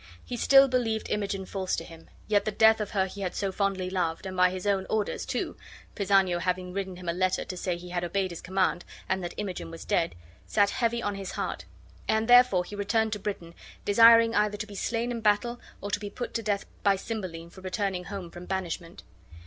He still believed Imogen false to him; yet the death of her he had so fondly loved, and by his own orders, too (Pisanio having written him a letter to say he had obeyed his command, and that Imogen was dead), sat heavy on his heart, and therefore he returned to Britain, desiring either to be slain in battle or to be put to death by Cymbeline for returning home from banishment.